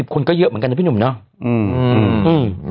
คนก็เยอะเหมือนกันนะพี่หนุ่มเนาะ